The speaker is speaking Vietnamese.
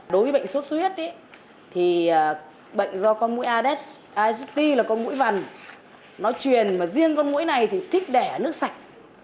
đối với bệnh xuất xuất huyết thì bệnh do con mũi adept adept là con mũi vằn nó truyền mà riêng con mũi này thì thích đẻ nước sạch